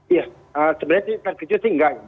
iya sebenarnya terkejut sih enggak